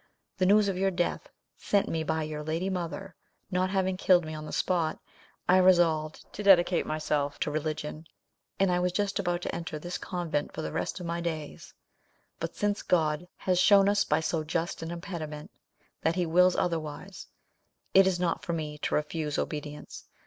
The news of your death, sent me by your lady mother, not having killed me on the spot, I resolved to dedicate myself to religion, and I was just about to enter this convent for the rest of my days; but since God has shown us by so just an impediment that he wills otherwise, it is not for me to refuse obedience.